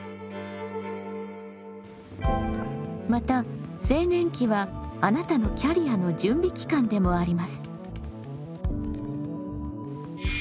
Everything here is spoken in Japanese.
また青年期はあなたのキャリアの準備期間でもあります。